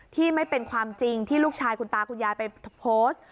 ไม่เป็นความจริงที่ลูกชายคุณตาคุณยายไปโพสต์